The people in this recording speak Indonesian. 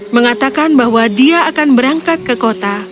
mengatakan bahwa dia akan berangkat ke kota